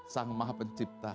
sang maha pencipta